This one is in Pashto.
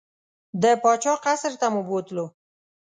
د پاچا قصر ته مو بوتلو.